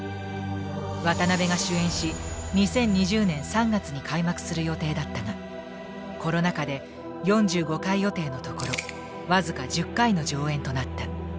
渡辺が主演し２０２０年３月に開幕する予定だったがコロナ禍で４５回予定のところ僅か１０回の上演となった。